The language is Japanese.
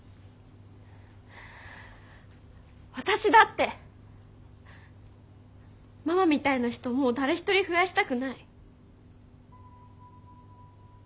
私だってママみたいな人もう誰一人増やしたくない。